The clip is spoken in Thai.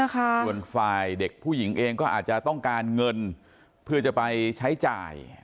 ส่วนฝ่ายเด็กผู้หญิงเองก็อาจจะต้องการเงินเพื่อจะไปใช้จ่าย